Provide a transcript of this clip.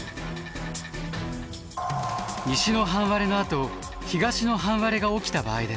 西の半割れのあと東の半割れが起きた場合です。